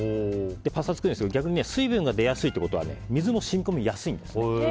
パサつくんですけど逆に水分が出やすいということは水も染み込みやすいんです。